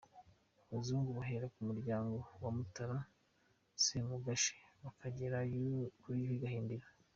Abaganzu bahera ku muryango wa Mutara Semugeshi, bakagera kuri Yuhi Gahindiro.